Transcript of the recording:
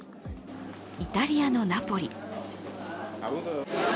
イタリアのナポリ。